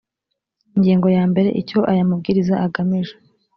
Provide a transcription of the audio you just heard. ingingo ya mbere icyo aya mabwiriza agamije